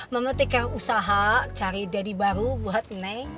mama tikar usaha cari daddy baru buat neng